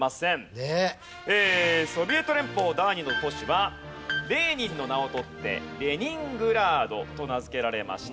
ソビエト連邦第二の都市はレーニンの名を取ってレニングラードと名付けられました。